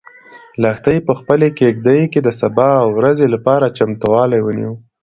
لښتې په خپلې کيږدۍ کې د سبا ورځې لپاره چمتووالی ونیو.